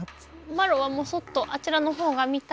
まろはもそっとあちらの方が見たいよ。